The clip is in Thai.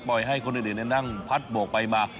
ให้คนอื่นนั่งพัดโบกไปมา